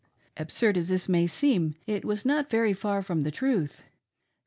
Absurd as this may seem it was not very far from the truth.